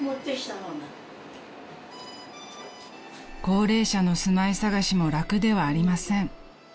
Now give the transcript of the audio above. ［高齢者の住まい探しも楽ではありません］